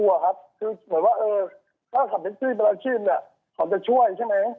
คือเหมือนว่าถ้าขับอาทิตย์แท็กซี่เป็นอาทิตย์เนี่ยเขาจะช่วยใช่ไหม